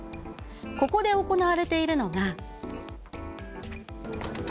ここで行われているのが。